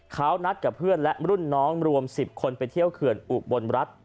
เขานัดกับเพื่อนและรุ่นน้องรวม๑๐คนไปเที่ยวเขื่อนอุบลรัฐ